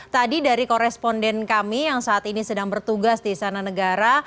tadi dari koresponden kami yang saat ini sedang bertugas di sana negara